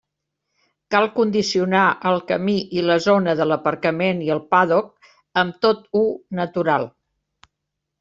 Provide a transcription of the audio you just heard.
Cal condicionar el camí i la zona de l'aparcament i el pàdoc amb tot-u natural.